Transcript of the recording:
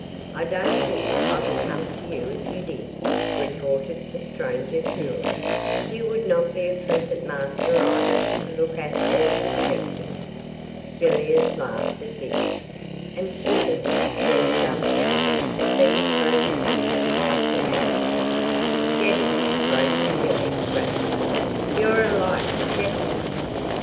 'I don't think I would come to you if you did,' retorted the stranger, coolly. 'You would not be a pleasant master either to look at or to speak to.' Villiers laughed at this, and Slivers stared dumbfounded at being spoken to in such a manner. 'Devil,' broke in Billy, rapidly. 'You're a liar devil.